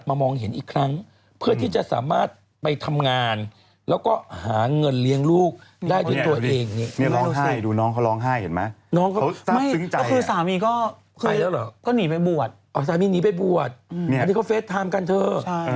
ว่าไม่ใช่อยู่ดีก็ใส่ได้